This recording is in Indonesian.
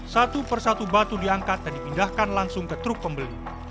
satu persatu batu diangkat dan dipindahkan langsung ke truk pembeli